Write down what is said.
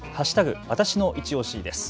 わたしのいちオシです。